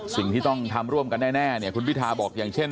สิ่งที่ต้องทำร่วมกันแน่เนี่ยคุณพิทาบอกอย่างเช่น